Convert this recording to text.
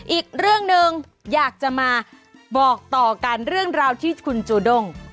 อีกเรื่องหนึ่งอยากจะมาบอกต่อกันเรื่องราวที่คุณจูด้ง